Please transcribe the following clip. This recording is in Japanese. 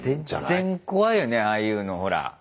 全然怖いよねああいうのほら。